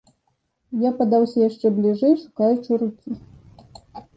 Я падаўся яшчэ бліжэй, шукаючы рукі.